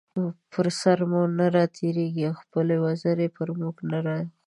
پر سر مو نه راتېريږي او خپلې وزرې پر مونږ نه راخوروي